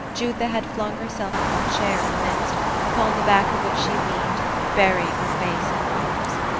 Jutha had flung herself upon a chair in the midst ; upon the back of which she leaned, burying her face in her rms.